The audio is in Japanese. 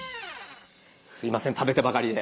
すいません食べてばかりで。